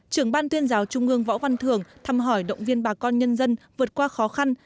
trưởng ban tuyên giáo trung ương võ văn thường thăm hỏi động viên bà con nhân dân vượt qua khó khăn